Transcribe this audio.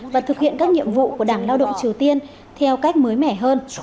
và thực hiện các nhiệm vụ của đảng lao động triều tiên theo cách mới mẻ hơn